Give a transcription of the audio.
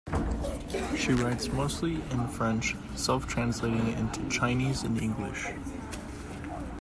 She writes mostly in French, self translating into Chinese and English.